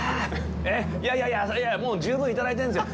えっ、いやいやいや、いやぁ、もう十分いただいてるんですよ！